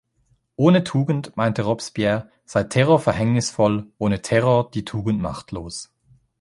Ohne Tugend, meinte Robespierre, sei Terror verhängnisvoll, ohne Terror die Tugend machtlos.